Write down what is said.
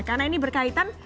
karena ini berkaitan